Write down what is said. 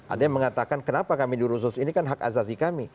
ada yang mengatakan kenapa kami dirussus ini kan hak azazi kami